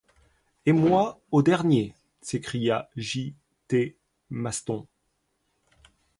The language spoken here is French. Et moi au dernier! s’écria J.-T. Maston.